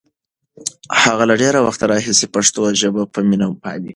هغه له ډېر وخت راهیسې پښتو ژبه په مینه پالي.